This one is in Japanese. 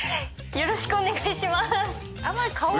よろしくお願いします。